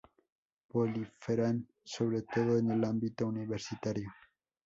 Proliferan sobre todo en el ámbito universitario.